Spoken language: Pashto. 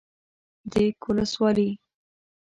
ديک ولسوالي